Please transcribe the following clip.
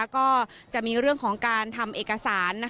ก็จะมีเรื่องของการทำเอกสาร